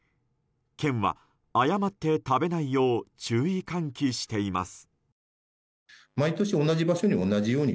県は誤って食べないよう注意喚起しています。